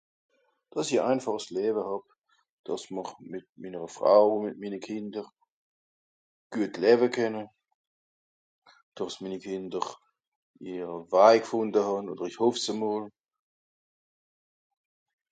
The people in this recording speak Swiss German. dàss i e einfàches läwe hàb dàss mr mìt minnere frau ùn mìt minne kìnder guet läwe kenne dàss minni kìnder ihre waij g'fùnde hàn oder ìch hoff's à mol